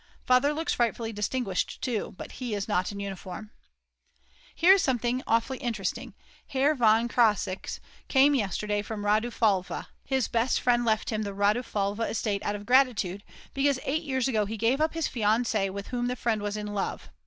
Father looks frightfully distinguished too, but he is not in uniform. Here is something awfully interesting: Herr von Kraics came yesterday from Radufalva, his best friend left him the Radufalva estate out of gratitude, because 8 years ago he gave up his fiancee with whom the friend was in love.